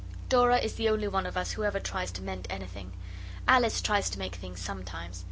Dora is the only one of us who ever tries to mend anything. Alice tries to make things sometimes.